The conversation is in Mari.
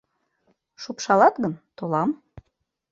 Шупшалат гын, толам...